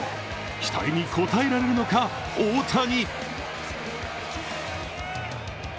期待に応えられるのか大谷。